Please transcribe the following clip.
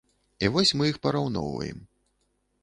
І вось мы іх параўноўваем.